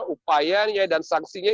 upayanya dan sanksinya